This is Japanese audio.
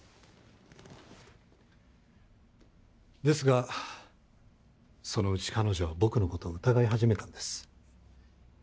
ですがそのうち彼女は僕の事を疑い始めたんです。